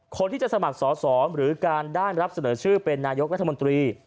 คนที่จะสมัครสอสอหรือการได้รับเสนอชื่อเป็นนายกรัฐมนตรี